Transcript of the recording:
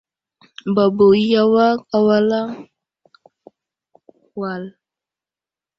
Babo i awak awalaŋ wal.